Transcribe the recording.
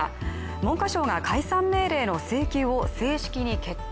文科省が解散命令の請求を正式に決定。